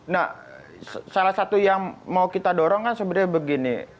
nah salah satu yang mau kita dorong kan sebenarnya begini